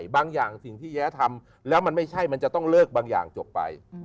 บางอย่างสิ่งที่แย้ทำแล้วมันไม่ใช่มันจะต้องเลิกบางอย่างจบไป